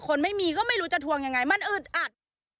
คนไม่มีก็ไม่รู้จะทวงยังไงมันอึดอัด